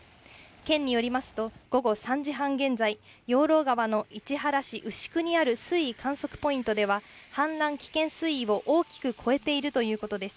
県によりますと、午後３時半現在、養老川の市原市牛久にある水位観測ポイントでは、氾濫危険水位を大きく超えているということです。